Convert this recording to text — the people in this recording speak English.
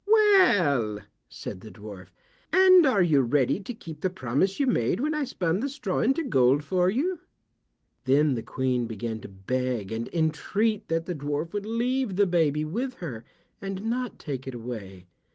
"Well," said the dwarf, "and are you ready to keep the promise you made when I spun the straw into gold for you?" Then the Queen began to beg and entreat that the dwarf would leave the baby with her, and not take it away.